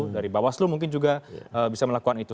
dari bawaslu mungkin juga bisa melakukan itu